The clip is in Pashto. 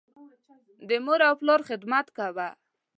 د مور او پلار خدمت کوه.